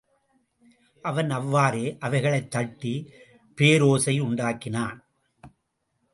அவன் அவ்வாறே அவைகளைத் தட்டிப் பேரோசை உண்டாக்கினான்.